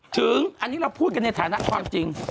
ถึงอันนี้เราพูดกันในฐานะความจริง